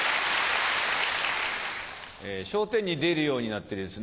『笑点』に出るようになってですね